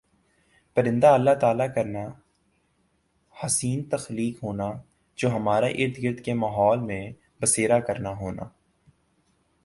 پرندہ اللہ تعالی کرنا حسین تخلیق ہونا جو ہمارہ ارد گرد کا ماحول میں بسیرا کرنا ہونا